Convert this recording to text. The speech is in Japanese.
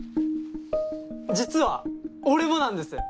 実は俺もなんです。